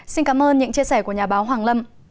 xin cảm ơn những chia sẻ của nhà báo hoàng lâm